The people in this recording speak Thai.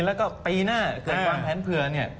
แล้วก็ปีหน้าเกิดความแผนเผื่อเนี่ย